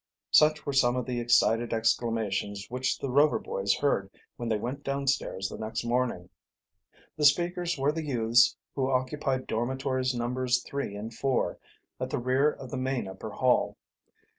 Such were some of the excited exclamations which the Rover boys heard when they went downstairs the next morning. The speakers were the youths who occupied Dormitories Numbers 3 and 4, at the rear of the main upper hall.